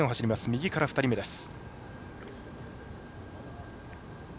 右から２人目です。